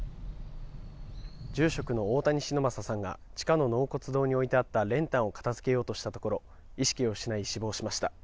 住職の大谷忍昌さんが地下の納骨堂に置いてあった練炭を片付けようとしたところ意識を失い、死亡しました。